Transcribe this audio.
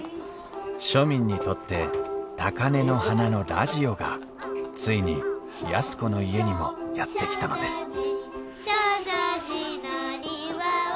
庶民にとって高根の花のラジオがついに安子の家にもやって来たのです「証城寺の庭は」